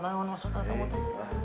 neng mau masuk ke atap atap